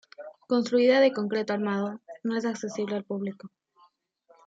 Construida de concreto armado, no es accesible al público.